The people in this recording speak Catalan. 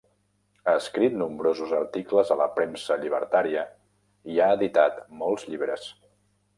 Ha escrit nombrosos articles a la premsa llibertària i ha editat molts llibres.